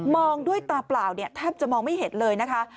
องด้วยตาเปล่าเนี่ยแทบจะมองไม่เห็นเลยนะคะ